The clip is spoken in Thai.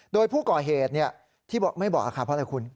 โดยผู้ก่อเหตุที่ไม่บอกอาคารเพราะอะไรคุณ